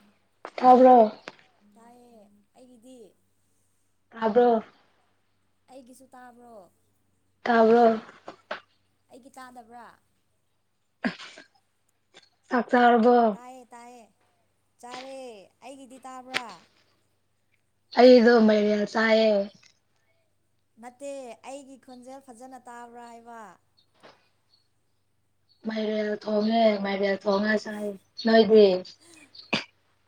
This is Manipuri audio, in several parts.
ꯎꯝ ꯊꯥꯕ꯭ꯔꯣ ꯇꯥꯏꯌꯦ ꯑꯩꯒꯤꯗꯤ ꯑꯥꯗꯣ ꯑꯩꯒꯤꯁꯨ ꯇꯥꯕ꯭ꯔꯣ? ꯇꯥꯕ꯭ꯔꯣ? ꯑꯩꯒꯤ ꯇꯥꯗꯕ꯭ꯔꯥ? ꯆꯥꯛ ꯆꯔꯕꯣ? ꯇꯥꯏꯌꯦ ꯇꯥꯏꯌꯦ ꯆꯥꯔꯦ ꯑꯩꯒꯤꯗꯤ ꯇꯥꯕ꯭ꯔꯥ ꯑꯩꯗꯣ ꯃꯩꯔ ꯌꯦꯜ ꯆꯥꯏꯌꯦ ꯅꯠꯇꯦ ꯑꯩꯒꯤ ꯈꯣꯟꯖꯦꯜ ꯐꯖꯅ ꯇꯥꯕ꯭ꯔꯥ ꯍꯥꯏꯕ? ꯃꯥꯏꯔꯦꯜ ꯊꯣꯡꯉꯦ ꯃꯥꯏꯔꯦꯜ ꯊꯣꯡꯉꯁꯥꯏ ꯅꯣꯏꯗꯤ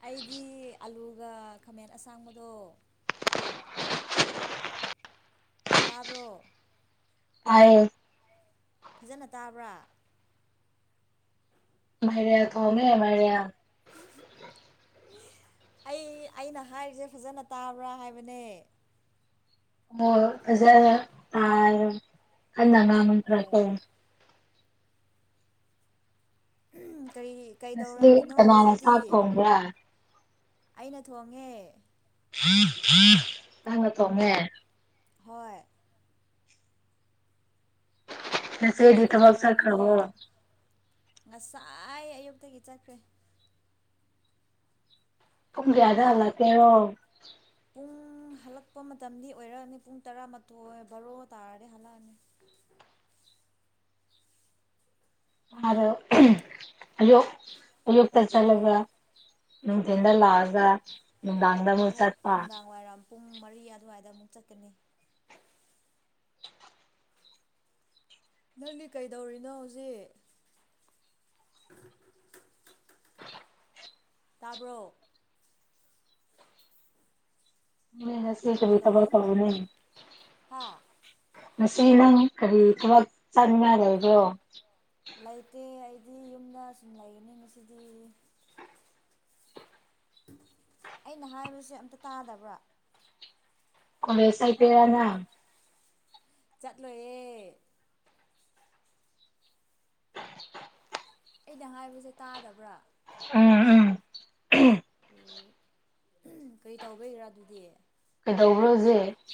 ꯑꯩꯗꯤ ꯑꯂꯨꯒ ꯈꯥꯃꯦꯟ ꯑꯁꯥꯡꯕꯗꯣ ꯇꯥꯕ꯭ꯔꯣ ꯇꯥꯏꯌꯦ ꯐꯖꯅ ꯇꯥꯕ꯭ꯔꯥ ꯃꯥꯏꯔꯦꯜ ꯊꯣꯡꯉꯦ ꯃꯥꯏꯔꯦꯜ [unintelligible] ꯑꯩ ꯑꯩꯅ ꯍꯥꯏꯔꯤꯁꯦ ꯐꯖꯅ ꯇꯥꯕ꯭ꯔꯥ ꯍꯥꯏꯕꯅꯦ ꯍꯣꯏ ꯐꯖꯅ ꯇꯥꯏ ꯀꯟꯅꯥ ꯑꯣ [unintelligible] ꯀꯔꯤ ꯉꯁꯤ ꯀꯩꯗꯧꯔꯝꯃꯤꯅꯣ ꯀꯅꯥꯅ ꯍꯧꯖꯤꯛꯇꯤ ꯆꯥꯛ ꯊꯣꯡꯕ꯭ꯔꯥ ꯑꯩꯅ ꯊꯣꯡꯉꯦ [unintelligible] ꯅꯪꯅ ꯊꯣꯉꯦ ꯍꯣꯏ ꯅꯪꯗꯤ ꯅꯆꯦꯗꯤ ꯊꯕꯛ ꯀꯩꯗꯧꯔꯝꯃꯤꯅꯣ ꯆꯠꯈ꯭ꯔꯕꯣ ꯉꯁꯥꯏ ꯑꯌꯨꯛꯇꯒꯤ ꯆꯠꯈ꯭ꯔꯦ ꯄꯨꯡ ꯀꯌꯥꯗ ꯍꯜꯂꯛꯀꯦꯔꯣ ꯄꯨꯡ ꯍꯜꯂꯛꯄ ꯃꯇꯝꯗꯤ ꯑꯣꯏꯔꯛꯑꯅꯤ ꯄꯨꯡ ꯇꯔꯥꯃꯥꯊꯣꯏ ꯕꯥꯔꯣ ꯇꯥꯔꯗꯤ ꯍꯜꯂꯛꯑꯅꯤ ꯑꯔꯣ ꯑꯌꯨꯛ ꯑꯌꯨꯛꯇꯥ ꯆꯠꯂꯒ ꯅꯨꯡꯊꯤꯟꯗ ꯂꯥꯛꯑꯒ ꯅꯨꯡꯗꯥꯡꯗ ꯑꯃꯨꯛ ‌ꯆꯠꯄꯥ ꯅꯨꯡꯗꯥꯡ ꯋꯥꯏꯔꯝ ꯄꯨꯡ ꯃꯔꯤ ꯑꯗꯨꯋꯥꯏꯗ ꯑꯃꯨꯛ ꯆꯠꯀꯅꯤ ꯅꯪꯗꯤ ꯀꯩꯗꯧꯔꯤꯅꯣ ꯍꯧꯖꯤꯛ ꯇꯥꯕ꯭ꯔꯣ ꯅꯣꯏ ꯍꯥꯁꯕꯦꯟ ꯀꯔꯤ ꯍꯜꯂꯣ ꯊꯕꯛ ꯇꯧꯔꯦ ꯍꯥ ꯉꯁꯤ ꯅꯪ ꯀꯔꯤ ꯊꯕꯛ ꯆꯠꯅꯤꯡꯉꯥꯏ ꯂꯩꯕ꯭ꯔꯣ ꯂꯩꯇꯦ ꯑꯩꯗꯤ ꯌꯨꯝꯗ ꯁꯨꯝ ꯂꯩꯒꯅꯤ ꯉꯁꯤꯗꯤ ꯑꯩꯅ ꯍꯥꯏꯕꯁꯦ ꯑꯝꯇ ꯇꯥꯗꯕ꯭ꯔꯥ ꯀ‌ꯣꯂ‌ꯦꯁ ꯆꯠꯀꯦꯔꯥ ꯅꯪ ꯆꯠꯂꯣꯏꯌꯦ ꯑꯩꯅ ꯍꯥꯏꯕꯁꯦ ꯇꯥꯗꯕ꯭ꯔꯥ ꯎꯝ ꯎꯝ ꯑꯣ ꯀꯔꯤ ꯇꯧꯕꯩꯔꯥ ꯑꯗꯨꯗꯤ ꯀꯩꯗꯧꯕ꯭ꯔꯣ ꯍꯧꯖꯤꯛ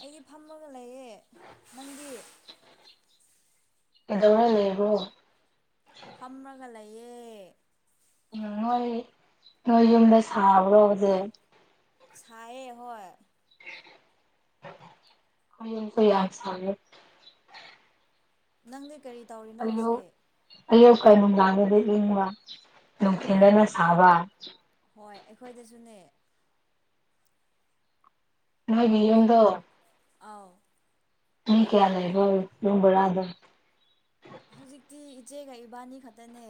ꯑꯩꯗꯤ ꯐꯝꯃꯥꯒ ꯂꯩꯌꯦ ꯅꯪꯗꯤ ꯀꯩꯗꯧꯔꯥ ꯂꯩꯕ꯭ꯔ‌ꯣ ꯐꯝꯔꯥꯒ ꯂꯩꯌꯦ ꯎꯝ ꯅꯣꯏ ꯅꯣꯏ ꯌꯨꯝꯗ ꯁꯥꯕ꯭ꯔꯣ ꯇꯧꯖꯤꯛ ꯁꯥꯏꯌ‌ꯦ ꯍꯣꯏ [unintelligible] ꯈꯣꯏ ꯌꯨꯝꯁꯨ ꯌꯥꯝ ꯁꯥꯏꯌꯦ ꯅꯪꯗꯤ ꯀꯔꯤ ꯇꯧꯔꯤꯅꯣ ꯑꯌꯨꯛ ꯍꯧꯖꯤꯛ ꯑꯌꯨꯛꯀ ꯅꯨꯡꯗꯥꯡꯗꯗꯤ ꯏꯪꯕ ꯅꯨꯡꯊꯤꯟꯗꯅ ꯁꯥꯕ ꯍꯣꯏ ꯑꯩꯈꯣꯏꯗ ꯖꯨꯅꯦ ꯅ‌ꯣꯏꯒꯤ ꯌꯨꯝꯗꯣ ꯑꯥꯎ ꯃꯤ ꯀꯌꯥ ꯂꯩꯕ꯭ꯔꯣ ꯌꯨꯝ ꯕꯔꯥꯗꯣ ꯍꯧꯖꯤꯛꯇꯤ ꯏꯆꯦꯒ ꯏꯕꯥꯅꯤ ꯈꯛꯇꯅꯦ